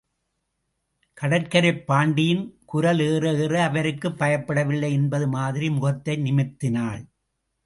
கடற்கரைப் பாண்டியின் குரல் ஏற ஏற, அவருக்கு பயப்படவில்லை என்பதுமாதிரி முகத்தை நிமிர்த்தினாள்.